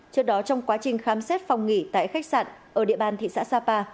trước đó trong quá trình khám xét phòng nghỉ tại khách sạn ở địa bàn thị xã sapa